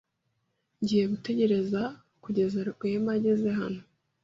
Ngiye gutegereza kugeza Rwema ageze hano.